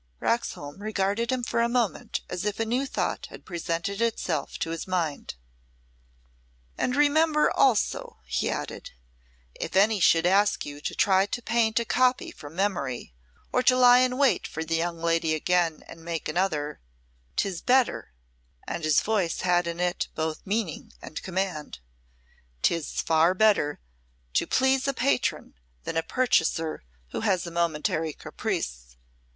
Roxholm regarded him for a moment as if a new thought had presented itself to his mind. "And remember also," he added, "if any should ask you to try to paint a copy from memory or to lie in wait for the young lady again and make another 'tis better" and his voice had in it both meaning and command "'tis far better to please a patron, than a purchaser who has a momentary caprice.